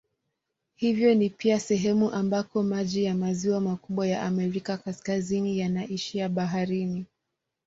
Hivyo ni pia sehemu ambako maji ya maziwa makubwa ya Amerika Kaskazini yanaishia baharini.